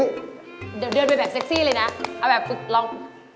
เดี๋ยวเดินไปแบบเซ็กซี่เลยนะเอาแบบฝึกลอง